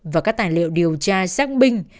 và các tài liệu điều tra xác minh